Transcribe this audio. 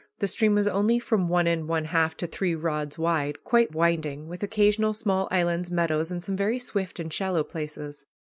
The stream was only from one and one half to three rods wide, quite winding, with occasional small islands, meadows, and some very swift and shallow places.